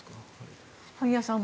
萩谷さん